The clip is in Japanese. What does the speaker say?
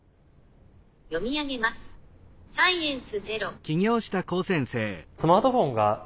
「読み上げます。